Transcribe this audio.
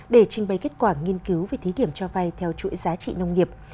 để trình bày kết quả nghiên cứu về thí điểm cho vay theo chuỗi giá trị nông nghiệp